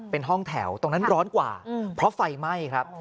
เป็นห้องแถวตรงนั้นร้อนกว่าเพราะไฟไหม้ครับ